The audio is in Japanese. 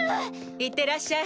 いってらっしゃい。